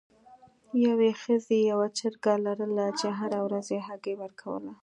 یوې ښځې یوه چرګه لرله چې هره ورځ یې هګۍ ورکوله.